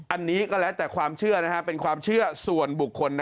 อันนี้ก็แล้วแต่ความเชื่อเป็นความเชื่อส่วนบุคคล